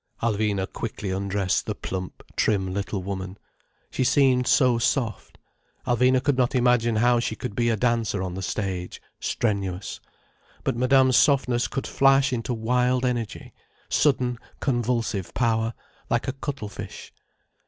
Alvina quickly undressed the plump, trim little woman. She seemed so soft. Alvina could not imagine how she could be a dancer on the stage, strenuous. But Madame's softness could flash into wild energy, sudden convulsive power, like a cuttle fish.